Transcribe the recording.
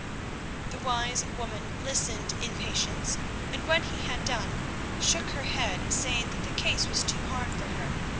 The wise woman listened in patience, and when he had done, shook her head, saying that the case was too hard for her.